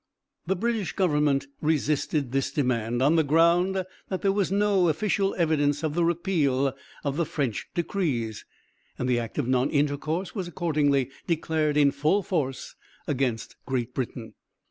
The British government resisted this demand, on the ground that there was no official evidence of the repeal of the French decrees, and the act of non intercourse was accordingly declared in full force against Great Britain.